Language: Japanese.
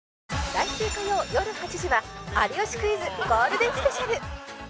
来週火曜よる８時は『有吉クイズ』ゴールデンスペシャル！